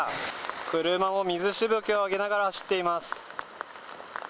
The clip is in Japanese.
車も水しぶきを上げながら走っています。